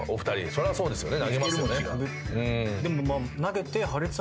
それはそうですよね。